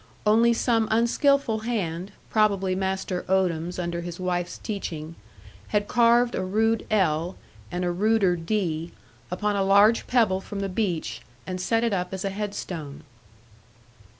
Only some unskilful hand, probably Master Odam's under his wife's teaching, had carved a rude L., and a ruder D., upon a large pebble from the beach, and set it up as a headstone.